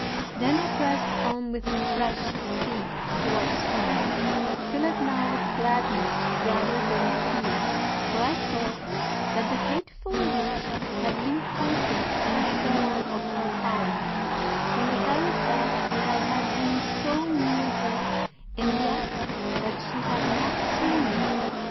Then I pressed on with fresh speed towards home, filled now with gladness rather than fear, for I thought that the hateful witch had been conquered and shorn of her power, from the very fact that I had been so near her and yet that she had not seen me.